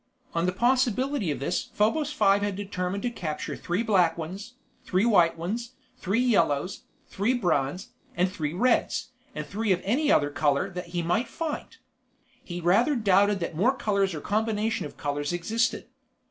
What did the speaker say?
On the possibility of this Probos Five had determined to capture three black ones, three white ones, three yellows, three browns and three reds, and three of any other color that he might find. He rather doubted that more colors or combination of colors existed.